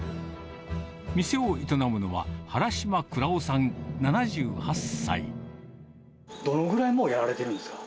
店を営むのは、どのぐらいもう、やられているんですか？